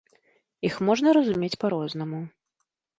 Іх можна разумець па-рознаму.